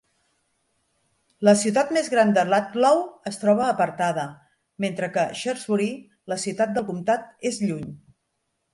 La ciutat més gran de Ludlow es troba apartada, mentre que Shrewsbury, la ciutat del comtat, és lluny.